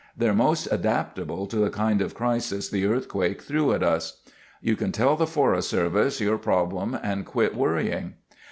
They're most adaptable to the kind of crisis the earthquake threw at us. "You can tell the Forest Service your problem and quit worrying.